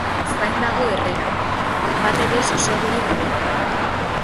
Zain dago Herrera, batere sosegurik gabe.